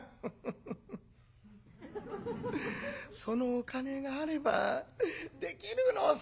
そのお金があればできるのさ」。